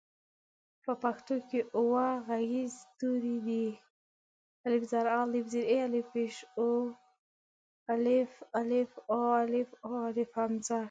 په پښتو کې اووه غږيز توري دي: اَ، اِ، اُ، اٗ، اٰ، اٖ، أ.